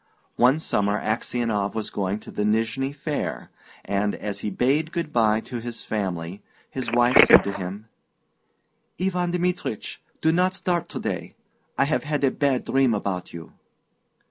One summer Aksionov was going to the Nizhny Fair, and as he bade good bye to his family, his wife said to him, "Ivan Dmitrich, do not start to day; I have had a bad dream about you."